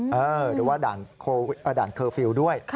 หรือว่าด่านเคอร์ฟิลล์ด้วย